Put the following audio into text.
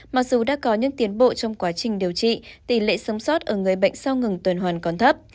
mặc dù đã có những tiến bộ trong quá trình điều trị tỷ lệ sống sót ở người bệnh sau ngừng tuần hoàn còn thấp